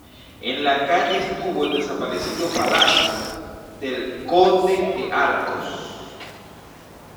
En la calle estuvo el desaparecido palacio del conde de Arcos.